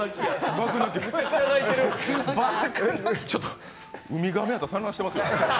ちょっと、ウミガメやったら産卵してますよ。